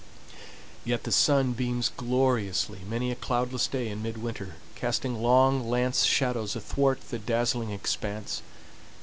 Yet the sun beams gloriously many a cloudless day in midwinter, casting long lance shadows athwart the dazzling expanse.